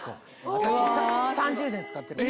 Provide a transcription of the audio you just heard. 私３０年使ってるもん。